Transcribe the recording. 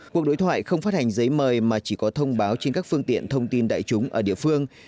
cuộc đối thoại không phát hành giấy mời mà chỉ có thông báo trên các phương tiện thông tin đại chúng ở địa phương